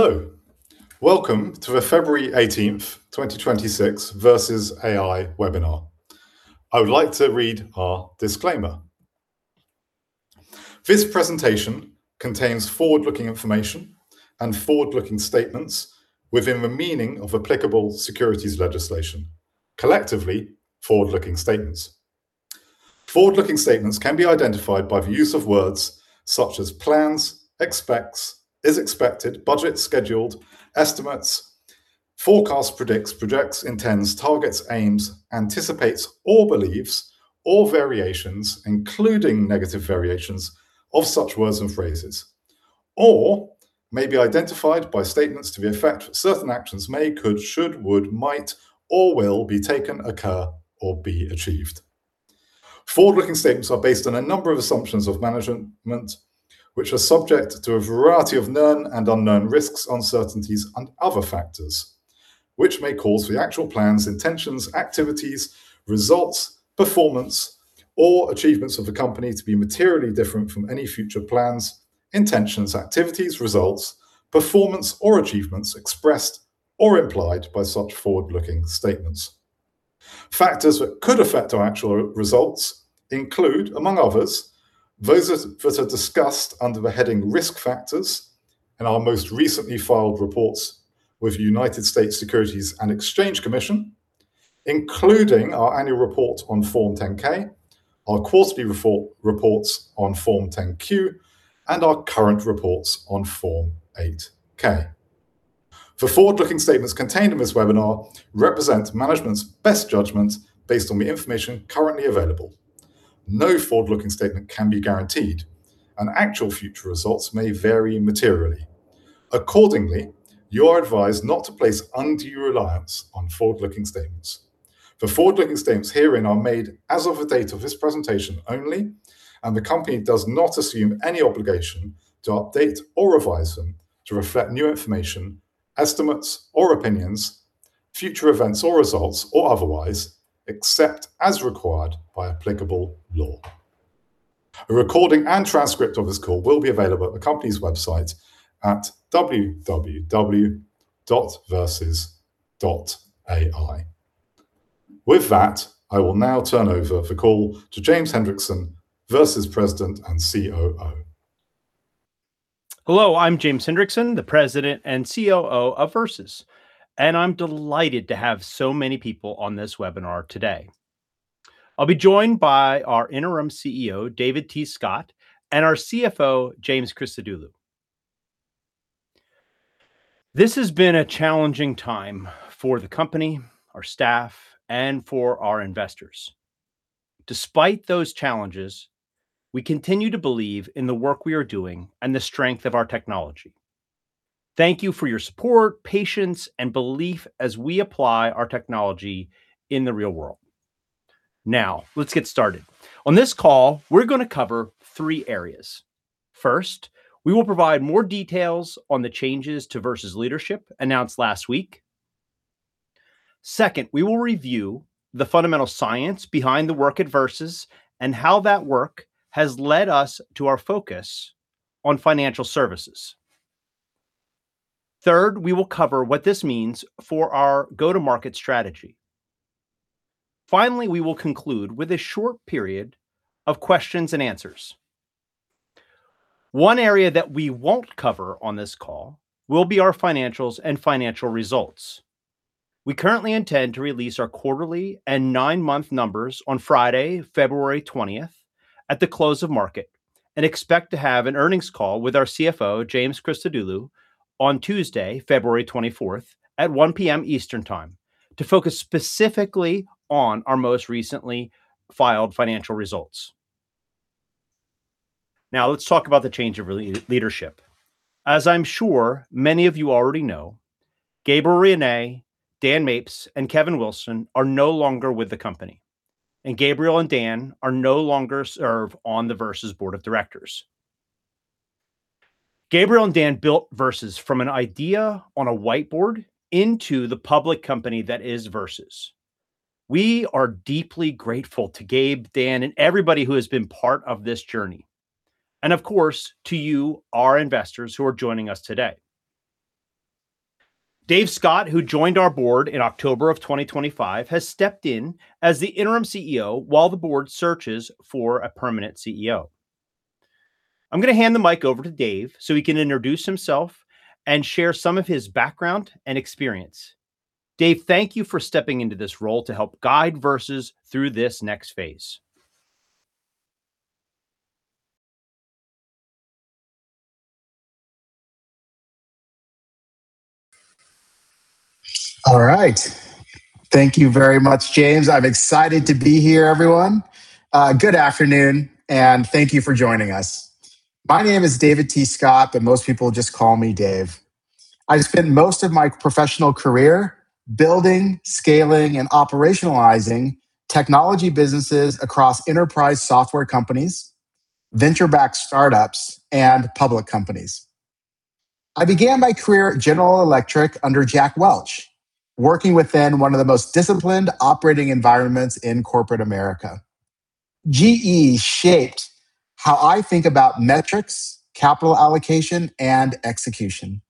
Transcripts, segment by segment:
Hello, welcome to the February 18th, 2026 VERSES AI webinar. I would like to read our disclaimer. This presentation contains forward-looking information and forward-looking statements within the meaning of applicable securities legislation. Collectively, forward-looking statements. Forward-looking statements can be identified by the use of words such as plans, expects, is expected, budget, scheduled, estimates, forecast, predicts, projects, intends, targets, aims, anticipates, or believes, or variations, including negative variations of such words and phrases, or may be identified by statements to the effect certain actions may, could, should, would, might, or will be taken, occur, or be achieved. Forward-looking statements are based on a number of assumptions of management, which are subject to a variety of known and unknown risks, uncertainties, and other factors, which may cause the actual plans, intentions, activities, results, performance, or achievements of the company to be materially different from any future plans, intentions, activities, results, performance, or achievements expressed or implied by such forward-looking statements. Factors that could affect our actual results include, among others, those that are discussed under the heading Risk Factors in our most recently filed reports with the U.S. Securities and Exchange Commission, including our annual report on Form 10-K, our quarterly reports on Form 10-Q, and our current reports on Form 8-K. The forward-looking statements contained in this webinar represent management's best judgment based on the information currently available. No forward-looking statement can be guaranteed, and actual future results may vary materially. Accordingly, you are advised not to place undue reliance on forward-looking statements. The forward-looking statements herein are made as of the date of this presentation only, and the company does not assume any obligation to update or revise them to reflect new information, estimates or opinions, future events or results, or otherwise, except as required by applicable law. A recording and transcript of this call will be available at the company's website at www.verses.ai. With that, I will now turn over the call to James Hendrickson, VERSES President and COO. Hello, I'm James Hendrickson, the President and COO of VERSES, and I'm delighted to have so many people on this webinar today. I'll be joined by our Interim CEO, David T. Scott, and our CFO, James Christodoulou. This has been a challenging time for the company, our staff, and for our investors. Despite those challenges, we continue to believe in the work we are doing and the strength of our technology. Thank you for your support, patience, and belief as we apply our technology in the real world. Now, let's get started. On this call, we're gonna cover three areas. First, we will provide more details on the changes to VERSES' leadership announced last week. Second, we will review the fundamental science behind the work at VERSES and how that work has led us to our focus on financial services. Third, we will cover what this means for our go-to-market strategy. Finally, we will conclude with a short period of questions and answers. One area that we won't cover on this call will be our financials and financial results. We currently intend to release our quarterly and nine-month numbers on Friday, February 20th, at the close of market, and expect to have an earnings call with our CFO, James Christodoulou, on Tuesday, February 24th, at 1:00 P.M., Eastern Time, to focus specifically on our most recently filed financial results. Now, let's talk about the change of leadership. As I'm sure many of you already know, Gabriel René, Dan Mapes, and Kevin Wilson are no longer with the company, and Gabriel and Dan are no longer serve on the VERSES Board of Directors. Gabriel and Dan built VERSES from an idea on a whiteboard into the public company that is VERSES. We are deeply grateful to Gabe, Dan, and everybody who has been part of this journey, and of course, to you, our investors, who are joining us today. Dave Scott, who joined our board in October 2025, has stepped in as the Interim CEO while the board searches for a permanent CEO. I'm gonna hand the mic over to Dave so he can introduce himself and share some of his background and experience. Dave, thank you for stepping into this role to help guide VERSES through this next phase. All right. Thank you very much, James. I'm excited to be here, everyone. Good afternoon, and thank you for joining us. My name is David T. Scott, but most people just call me Dave. I spent most of my professional career building, scaling, and operationalizing technology businesses across enterprise software companies, venture-backed startups, and public companies. I began my career at General Electric under Jack Welch, working within one of the most disciplined operating environments in corporate America. GE shaped how I think about metrics, capital allocation, and execution.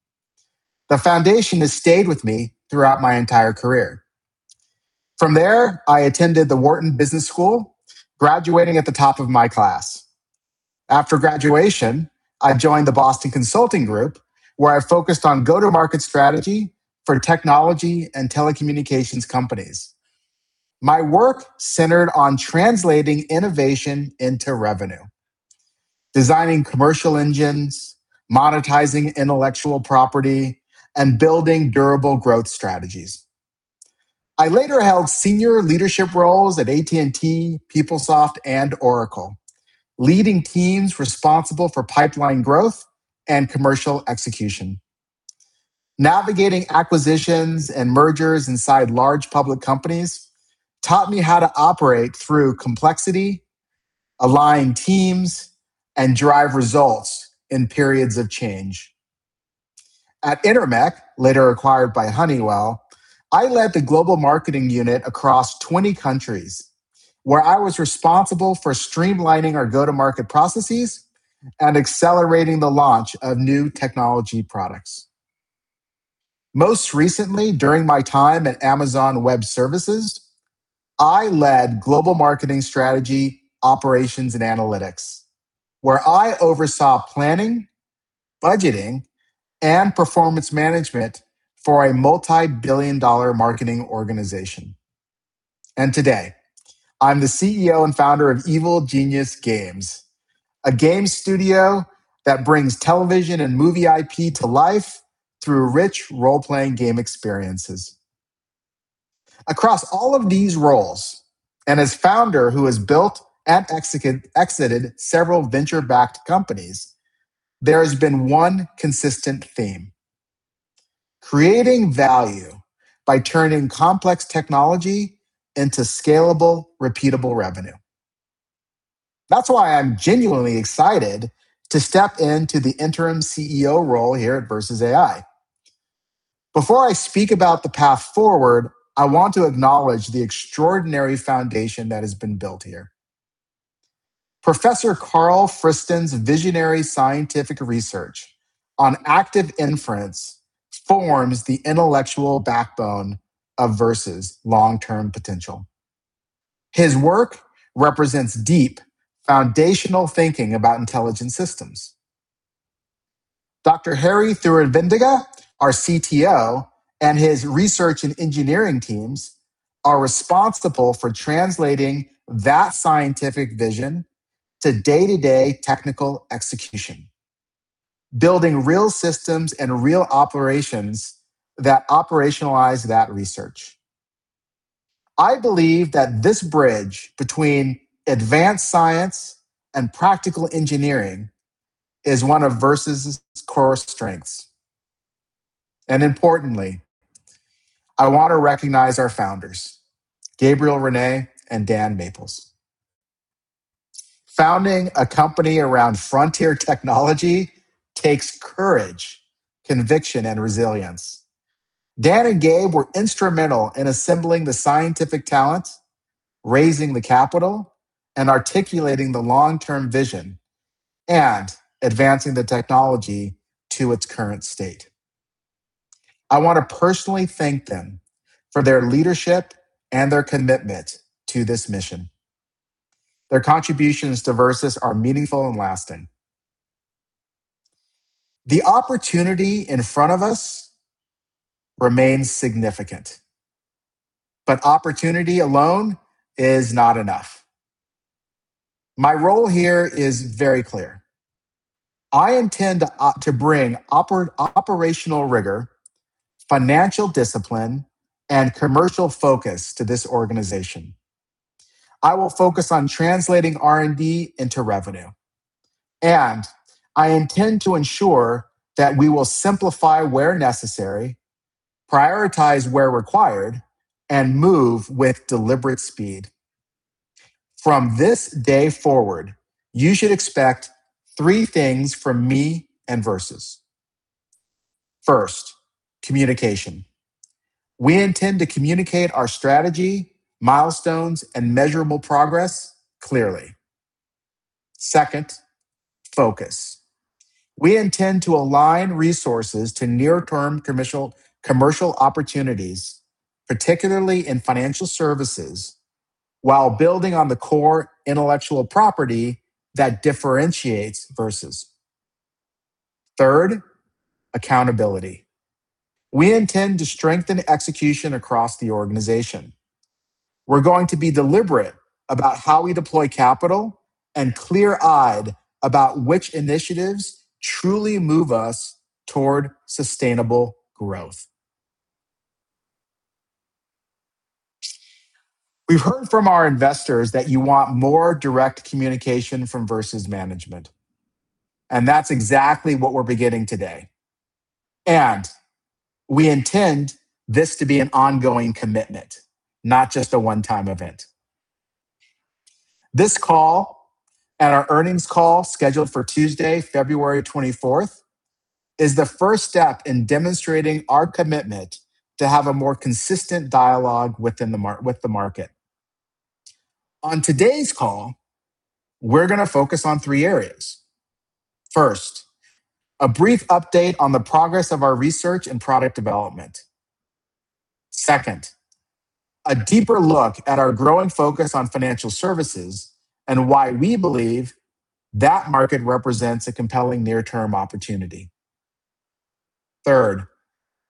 The foundation has stayed with me throughout my entire career. From there, I attended the Wharton Business School, graduating at the top of my class. After graduation, I joined the Boston Consulting Group, where I focused on go-to-market strategy for technology and telecommunications companies. My work centered on translating innovation into revenue, designing commercial engines, monetizing intellectual property, and building durable growth strategies. I later held senior leadership roles at AT&T, PeopleSoft, and Oracle, leading teams responsible for pipeline growth and commercial execution. Navigating acquisitions and mergers inside large public companies taught me how to operate through complexity, align teams, and drive results in periods of change. At Intermec, later acquired by Honeywell, I led the global marketing unit across 20 countries, where I was responsible for streamlining our go-to-market processes and accelerating the launch of new technology products. Most recently, during my time at Amazon Web Services, I led global marketing strategy, operations, and analytics, where I oversaw planning, budgeting, and performance management for a multi-billion dollar marketing organization. Today, I'm the CEO and founder of Evil Genius Games, a game studio that brings television and movie IP to life through rich role-playing game experiences. Across all of these roles, and as founder who has built and exited several venture-backed companies, there has been one consistent theme: creating value by turning complex technology into scalable, repeatable revenue. That's why I'm genuinely excited to step into the Interim CEO role here at VERSES AI. Before I speak about the path forward, I want to acknowledge the extraordinary foundation that has been built here. Professor Karl Friston's visionary scientific research on active inference forms the intellectual backbone of VERSES' long-term potential. His work represents deep, foundational thinking about intelligent systems. Dr. Hari Thiruvengada, our CTO, and his research and engineering teams are responsible for translating that scientific vision to day-to-day technical execution, building real systems and real operations that operationalize that research. I believe that this bridge between advanced science and practical engineering is one of VERSES' core strengths. Importantly, I want to recognize our founders, Gabriel René and Dan Mapes. Founding a company around frontier technology takes courage, conviction, and resilience. Dan and Gabe were instrumental in assembling the scientific talent, raising the capital, and articulating the long-term vision, and advancing the technology to its current state. I want to personally thank them for their leadership and their commitment to this mission. Their contributions to VERSES are meaningful and lasting. The opportunity in front of us remains significant, but opportunity alone is not enough. My role here is very clear. I intend to bring operational rigor, financial discipline, and commercial focus to this organization. I will focus on translating R&D into revenue, and I intend to ensure that we will simplify where necessary, prioritize where required, and move with deliberate speed. From this day forward, you should expect three things from me and VERSES. First, communication. We intend to communicate our strategy, milestones, and measurable progress clearly. Second, focus. We intend to align resources to near-term commercial opportunities, particularly in financial services, while building on the core intellectual property that differentiates VERSES. Third, accountability. We intend to strengthen execution across the organization. We're going to be deliberate about how we deploy capital and clear-eyed about which initiatives truly move us toward sustainable growth. We've heard from our investors that you want more direct communication from VERSES management, and that's exactly what we're beginning today, and we intend this to be an ongoing commitment, not just a one-time event. This call and our earnings call, scheduled for Tuesday, February 24th, is the first step in demonstrating our commitment to have a more consistent dialogue with the market. On today's call, we're gonna focus on three areas. First, a brief update on the progress of our research and product development. Second, a deeper look at our growing focus on financial services and why we believe that market represents a compelling near-term opportunity. Third,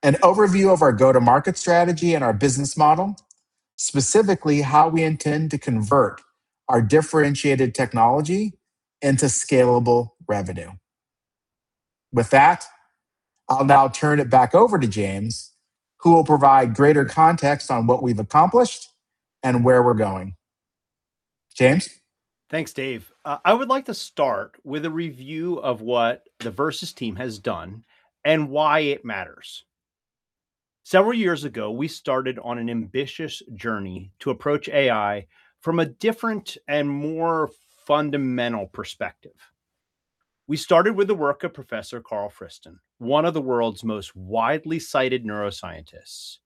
an overview of our go-to-market strategy and our business model, specifically how we intend to convert our differentiated technology into scalable revenue. With that, I'll now turn it back over to James, who will provide greater context on what we've accomplished and where we're going. James? Thanks, Dave. I would like to start with a review of what the VERSES team has done and why it matters. Several years ago, we started on an ambitious journey to approach AI from a different and more fundamental perspective. We started with the work of Professor Karl Friston, one of the world's most widely cited neuroscientists,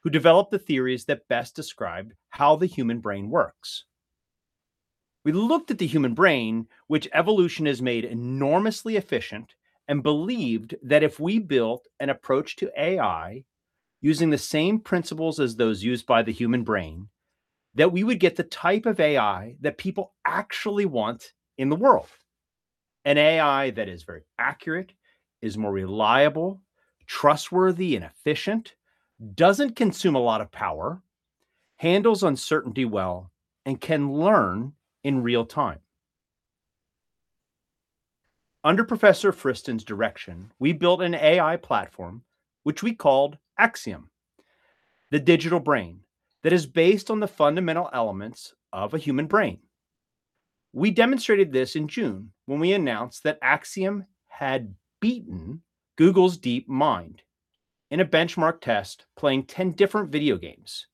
who developed the theories that best describe how the human brain works. We looked at the human brain, which evolution has made enormously efficient, and believed that if we built an approach to AI using the same principles as those used by the human brain, that we would get the type of AI that people actually want in the world. An AI that is very accurate, is more reliable, trustworthy, and efficient, doesn't consume a lot of power, handles uncertainty well, and can learn in real time. Under Professor Friston's direction, we built an AI platform, which we called AXIOM, the digital brain, that is based on the fundamental elements of a human brain. We demonstrated this in June when we announced that AXIOM had beaten Google's DeepMind in a benchmark test, playing 10 different video games.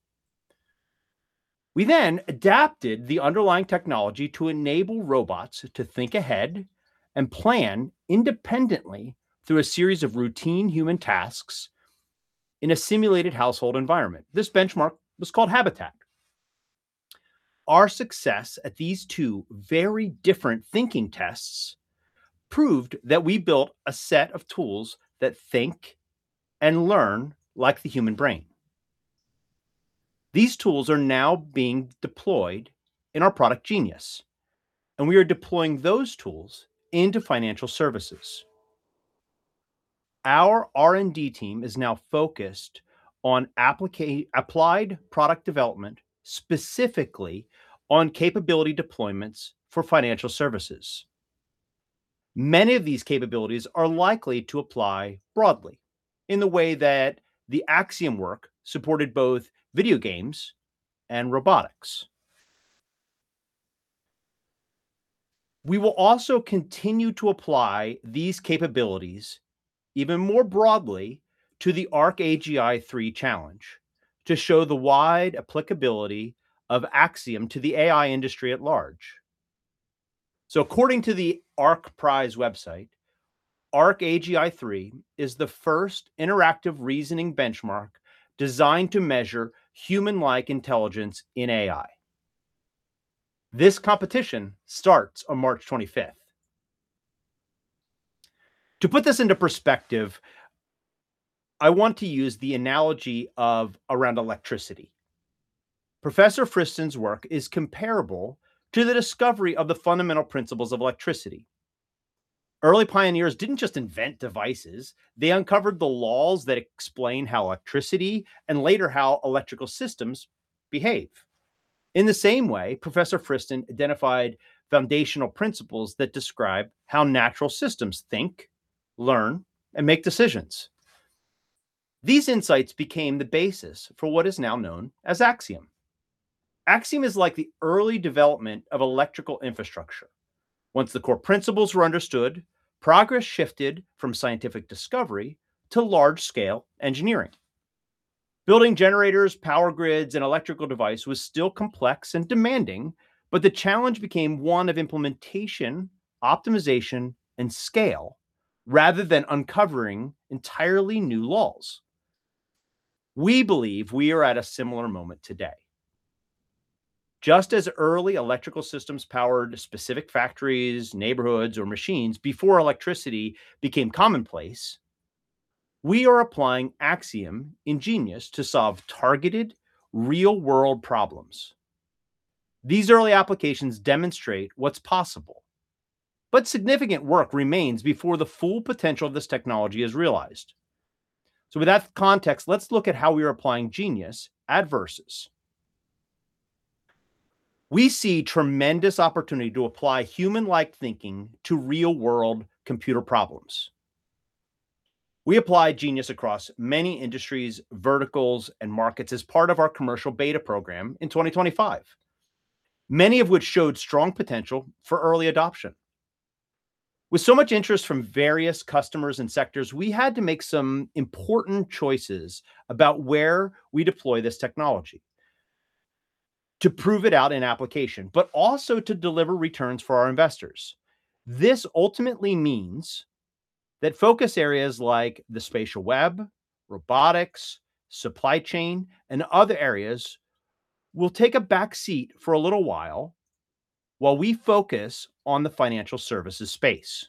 We then adapted the underlying technology to enable robots to think ahead and plan independently through a series of routine human tasks in a simulated household environment. This benchmark was called Habitat. Our success at these two very different thinking tests proved that we built a set of tools that think and learn like the human brain. These tools are now being deployed in our product, Genius, and we are deploying those tools into financial services. Our R&D team is now focused on applied product development, specifically on capability deployments for financial services. Many of these capabilities are likely to apply broadly in the way that the AXIOM work supported both video games and robotics. We will also continue to apply these capabilities even more broadly to the ARC-AGI 3 challenge, to show the wide applicability of AXIOM to the AI industry at large. According to the ARC Prize website, ARC-AGI 3 is the first interactive reasoning benchmark designed to measure human-like intelligence in AI. This competition starts on March 25th. To put this into perspective, I want to use the analogy of around electricity. Professor Friston's work is comparable to the discovery of the fundamental principles of electricity. Early pioneers didn't just invent devices, they uncovered the laws that explain how electricity, and later how electrical systems, behave. In the same way, Professor Friston identified foundational principles that describe how natural systems think, learn, and make decisions. These insights became the basis for what is now known as AXIOM. AXIOM is like the early development of electrical infrastructure. Once the core principles were understood, progress shifted from scientific discovery to large-scale engineering. Building generators, power grids, and electrical device was still complex and demanding, but the challenge became one of implementation, optimization, and scale, rather than uncovering entirely new laws. We believe we are at a similar moment today. Just as early electrical systems powered specific factories, neighborhoods, or machines before electricity became commonplace, we are applying AXIOM in Genius to solve targeted, real-world problems. These early applications demonstrate what's possible, but significant work remains before the full potential of this technology is realized. So with that context, let's look at how we are applying Genius at VERSES. We see tremendous opportunity to apply human-like thinking to real-world computer problems. We applied Genius across many industries, verticals, and markets as part of our commercial beta program in 2025, many of which showed strong potential for early adoption. With so much interest from various customers and sectors, we had to make some important choices about where we deploy this technology to prove it out in application, but also to deliver returns for our investors. This ultimately means that focus areas like the spatial web, robotics, supply chain, and other areas will take a back seat for a little while, while we focus on the financial services space.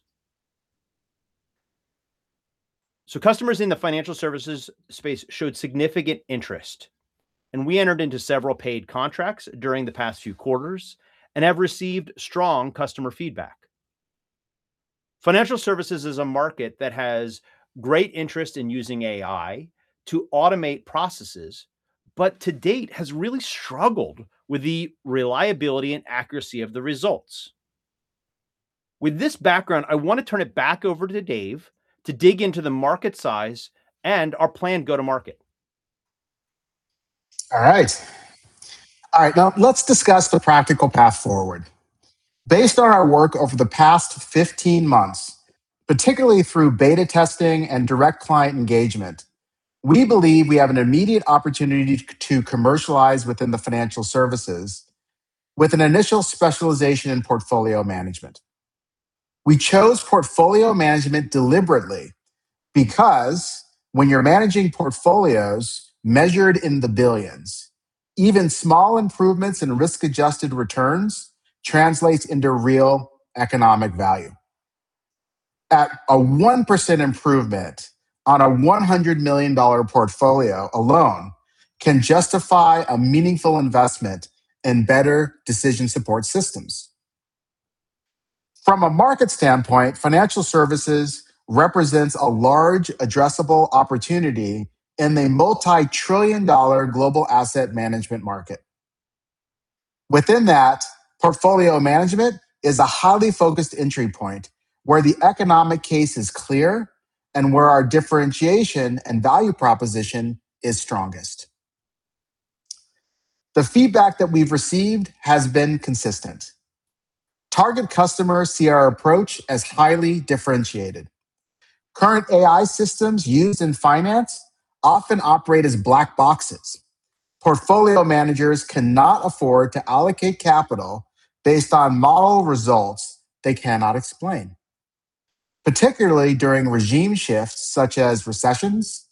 So customers in the financial services space showed significant interest, and we entered into several paid contracts during the past few quarters and have received strong customer feedback. Financial services is a market that has great interest in using AI to automate processes, but to date, has really struggled with the reliability and accuracy of the results. With this background, I want to turn it back over to Dave to dig into the market size and our planned go-to-market. All right. All right, now let's discuss the practical path forward. Based on our work over the past 15 months, particularly through beta testing and direct client engagement, we believe we have an immediate opportunity to commercialize within the financial services with an initial specialization in portfolio management. We chose portfolio management deliberately, because when you're managing portfolios measured in the billions, even small improvements in risk-adjusted returns translates into real economic value. At a 1% improvement on a $100 million portfolio alone can justify a meaningful investment in better decision support systems. From a market standpoint, financial services represents a large addressable opportunity in the multi-trillion dollar global asset management market. Within that, portfolio management is a highly focused entry point where the economic case is clear and where our differentiation and value proposition is strongest. The feedback that we've received has been consistent. Target customers see our approach as highly differentiated. Current AI systems used in finance often operate as black boxes. Portfolio managers cannot afford to allocate capital based on model results they cannot explain, particularly during regime shifts such as recessions,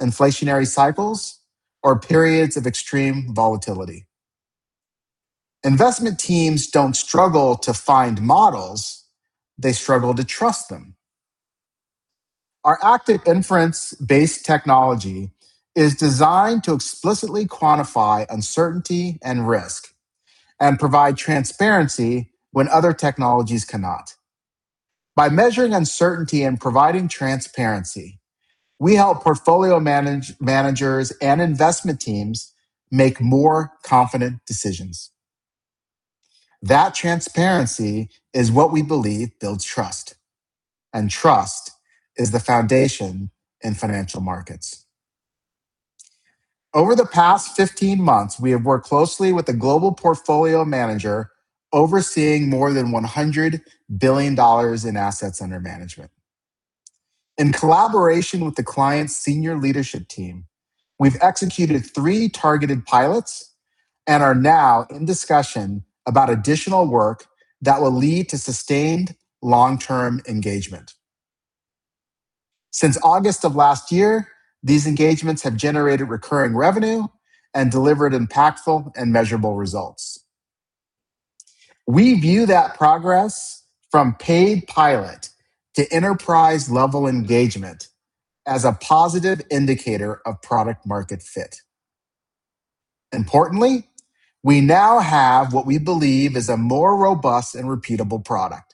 inflationary cycles, or periods of extreme volatility. Investment teams don't struggle to find models. They struggle to trust them. Our Active Inference-based technology is designed to explicitly quantify uncertainty and risk and provide transparency when other technologies cannot. By measuring uncertainty and providing transparency, we help portfolio managers and investment teams make more confident decisions. That transparency is what we believe builds trust, and trust is the foundation in financial markets. Over the past 15 months, we have worked closely with a global portfolio manager overseeing more than $100 billion in assets under management. In collaboration with the client's senior leadership team, we've executed three targeted pilots and are now in discussion about additional work that will lead to sustained long-term engagement. Since August of last year, these engagements have generated recurring revenue and delivered impactful and measurable results. We view that progress from paid pilot to enterprise-level engagement as a positive indicator of product-market fit. Importantly, we now have what we believe is a more robust and repeatable product.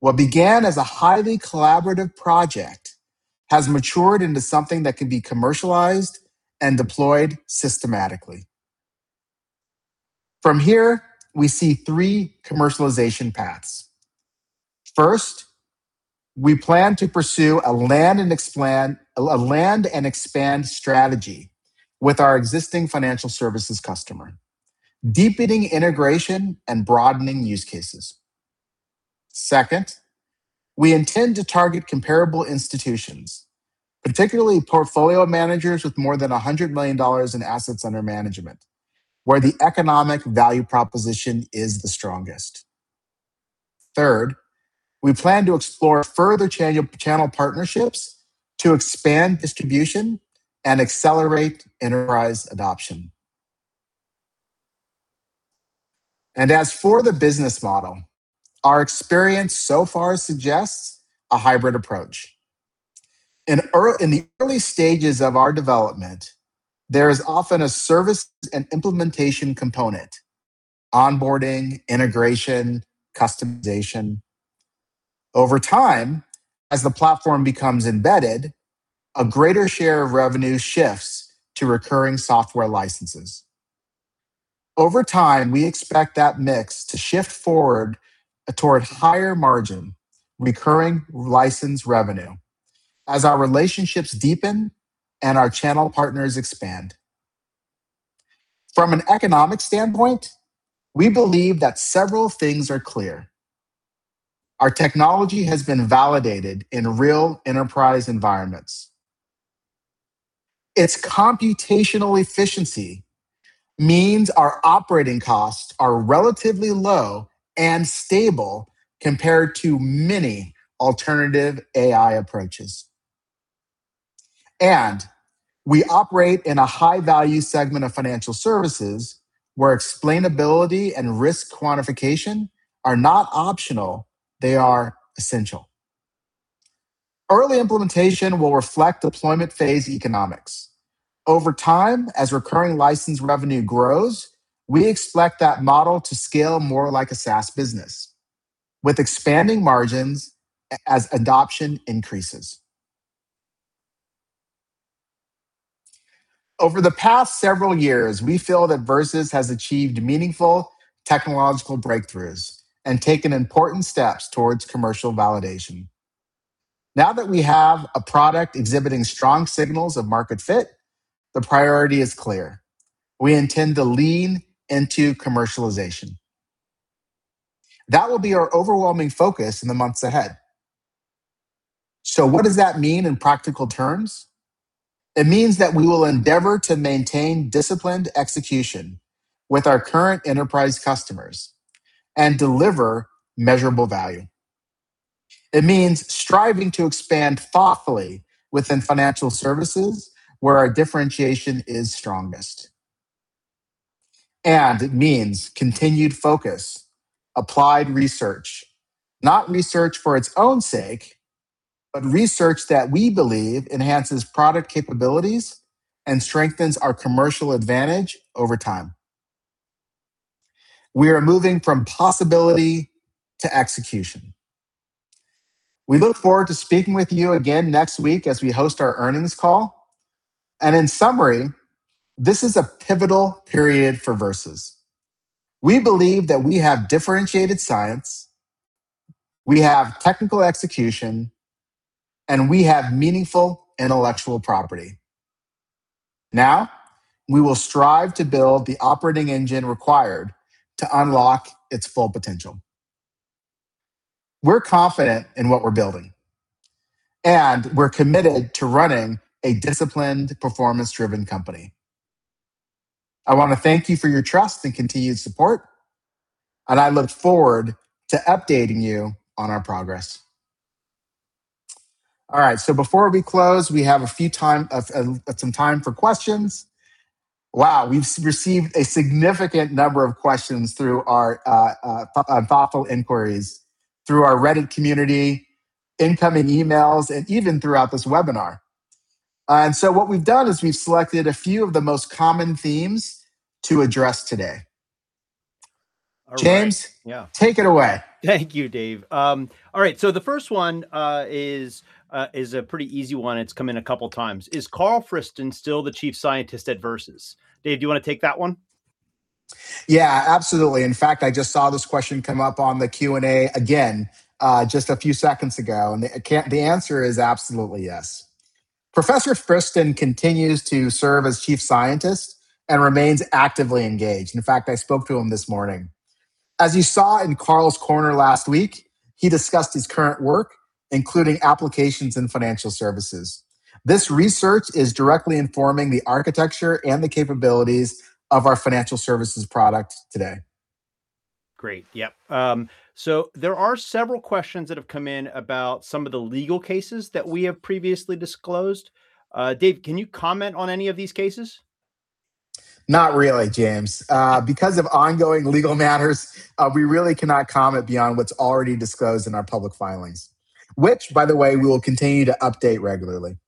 What began as a highly collaborative project has matured into something that can be commercialized and deployed systematically. From here, we see three commercialization paths. First, we plan to pursue a land and expand strategy with our existing financial services customer, deepening integration and broadening use cases. Second, we intend to target comparable institutions, particularly portfolio managers with more than $100 million in assets under management, where the economic value proposition is the strongest. Third, we plan to explore further channel partnerships to expand distribution and accelerate enterprise adoption. As for the business model, our experience so far suggests a hybrid approach. In the early stages of our development, there is often a service and implementation component: onboarding, integration, customization. Over time, as the platform becomes embedded, a greater share of revenue shifts to recurring software licenses. Over time, we expect that mix to shift forward toward higher-margin, recurring license revenue as our relationships deepen and our channel partners expand. From an economic standpoint, we believe that several things are clear. Our technology has been validated in real enterprise environments. Its computational efficiency means our operating costs are relatively low and stable compared to many alternative AI approaches. And we operate in a high-value segment of financial services, where explainability and risk quantification are not optional, they are essential. Early implementation will reflect deployment phase economics. Over time, as recurring license revenue grows, we expect that model to scale more like a SaaS business, with expanding margins as adoption increases. Over the past several years, we feel that VERSES has achieved meaningful technological breakthroughs and taken important steps towards commercial validation. Now that we have a product exhibiting strong signals of market fit, the priority is clear: we intend to lean into commercialization. That will be our overwhelming focus in the months ahead. So what does that mean in practical terms? It means that we will endeavor to maintain disciplined execution with our current enterprise customers and deliver measurable value. It means striving to expand thoughtfully within financial services, where our differentiation is strongest. It means continued focus, applied research. Not research for its own sake, but research that we believe enhances product capabilities and strengthens our commercial advantage over time. We are moving from possibility to execution. We look forward to speaking with you again next week as we host our earnings call, and in summary, this is a pivotal period for VERSES. We believe that we have differentiated science, we have technical execution, and we have meaningful intellectual property. Now, we will strive to build the operating engine required to unlock its full potential. We're confident in what we're building, and we're committed to running a disciplined, performance-driven company. I want to thank you for your trust and continued support, and I look forward to updating you on our progress. All right, so before we close, we have some time for questions. Wow, we've received a significant number of questions through our thoughtful inquiries, through our Reddit community, incoming emails, and even throughout this webinar. And so what we've done is we've selected a few of the most common themes to address today. All right. James? Yeah. Take it away. Thank you, Dave. All right, so the first one is a pretty easy one. It's come in a couple of times. Is Karl Friston still the Chief Scientist at VERSES? Dave, do you wanna take that one? Yeah, absolutely. In fact, I just saw this question come up on the Q&A again, just a few seconds ago, and the answer is absolutely yes. Professor Friston continues to serve as Chief Scientist and remains actively engaged. In fact, I spoke to him this morning. As you saw in Karl's Corner last week, he discussed his current work, including applications in financial services. This research is directly informing the architecture and the capabilities of our financial services product today. Great, yep. So there are several questions that have come in about some of the legal cases that we have previously disclosed. Dave, can you comment on any of these cases? Not really, James. Because of ongoing legal matters, we really cannot comment beyond what's already disclosed in our public filings. Which, by the way, we will continue to update regularly.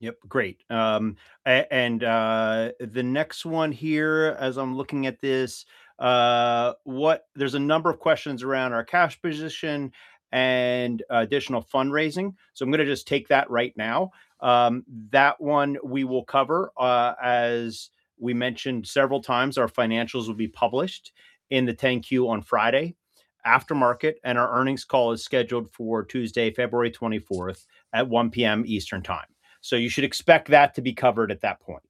Yep, great. The next one here, as I'm looking at this, there's a number of questions around our cash position and additional fundraising, so I'm gonna just take that right now. That one we will cover. As we mentioned several times, our financials will be published in the 10-Q on Friday, after market, and our earnings call is scheduled for Tuesday, February 24th, at 1:00 P.M. Eastern Time. So you should expect that to be covered at that point.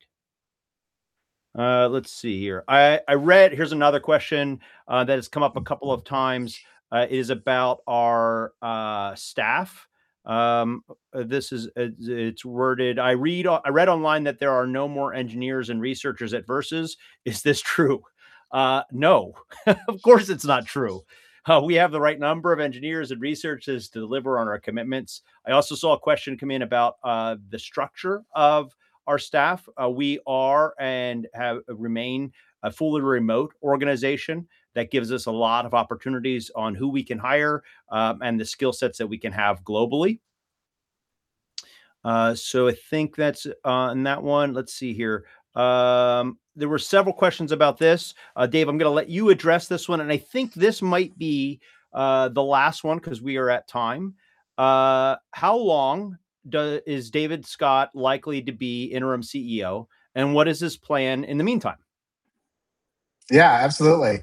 Let's see here. Here's another question that has come up a couple of times is about our staff. It's worded, "I read online that there are no more engineers and researchers at VERSES. Is this true?" No, of course it's not true. We have the right number of engineers and researchers to deliver on our commitments. I also saw a question come in about the structure of our staff. We are, and have, remain a fully remote organization. That gives us a lot of opportunities on who we can hire, and the skill sets that we can have globally. So I think that's and that one, let's see here. There were several questions about this. Dave, I'm gonna let you address this one, and I think this might be the last one, 'cause we are at time. How long is David Scott likely to be Interim CEO, and what is his plan in the meantime? Yeah, absolutely.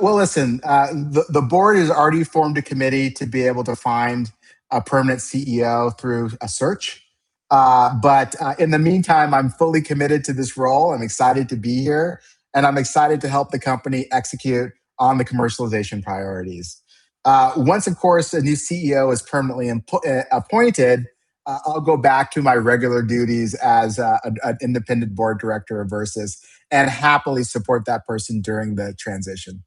Well, listen, the board has already formed a committee to be able to find a permanent CEO through a search, but in the meantime, I'm fully committed to this role. I'm excited to be here, and I'm excited to help the company execute on the commercialization priorities. Once, of course, a new CEO is permanently appointed, I'll go back to my regular duties as an Independent Board Director of VERSES and happily support that person during the transition.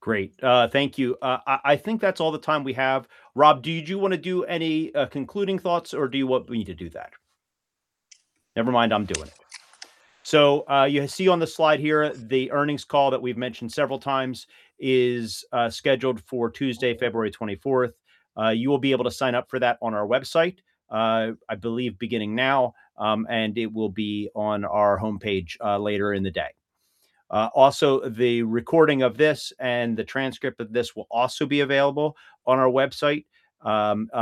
Great. Thank you. I think that's all the time we have. Rob, did you want to do any concluding thoughts, or do you want me to do that? Never mind, I'm doing it. So, you see on the slide here, the earnings call that we've mentioned several times is scheduled for Tuesday, February 24th. You will be able to sign up for that on our website, I believe beginning now, and it will be on our homepage later in the day. Also, the recording of this and the transcript of this will also be available on our website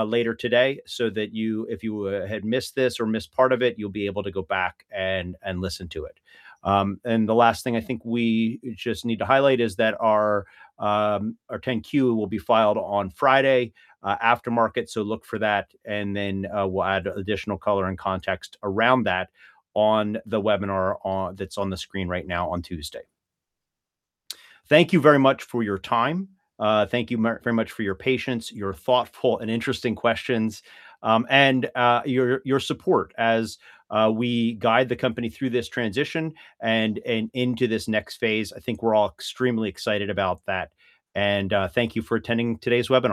later today, so that if you had missed this or missed part of it, you'll be able to go back and listen to it. And the last thing I think we just need to highlight is that our 10-Q will be filed on Friday after market, so look for that, and then we'll add additional color and context around that on the webinar on Tuesday, that's on the screen right now. Thank you very much for your time. Thank you very much for your patience, your thoughtful and interesting questions, and your support as we guide the company through this transition and into this next phase. I think we're all extremely excited about that. And thank you for attending today's webinar.